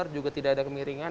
juga tidak ada kemiringan